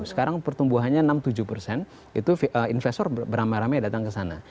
sekarang pertumbuhannya enam tujuh persen itu investor beramai ramai datang ke sana